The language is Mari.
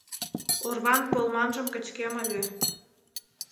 Орван полманжым кычкем ыле.